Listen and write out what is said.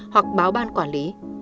hoặc báo ban quản lý